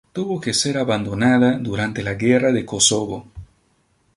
Tuvo que ser abandonada durante la guerra de Kosovo.